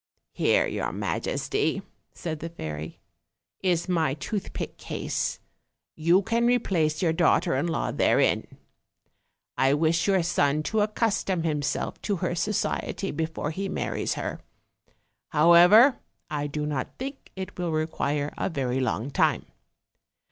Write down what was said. "Here, your majesty," said the fairy, "is my tooth pick case; you nan replace your daughter in law therein: I wish your son to accustom himself to her society before he marries her; however, I do not think it will require a very long time.